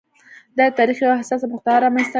دا د تاریخ یوه حساسه مقطعه رامنځته کړه.